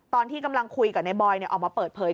ตอนที่กำลังคุยกับนายบอยออกมาเปิดเผย